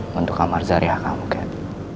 bentuk kamar zariah kamu kat